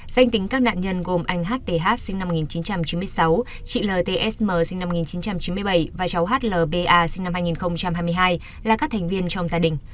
danh tính các nạn nhân gồm anh hth sinh năm một nghìn chín trăm chín mươi sáu chị ltsm sinh năm một nghìn chín trăm chín mươi bảy và cháu hlba sinh năm hai nghìn hai mươi hai là các thành viên trong gia đình